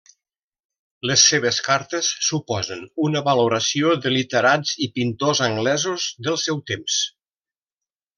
Les seves cartes suposen una valoració de literats i pintors anglesos del seu temps.